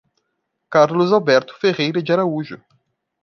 Carlos Alberto Ferreira de Araújo